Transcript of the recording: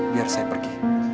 biar saya pergi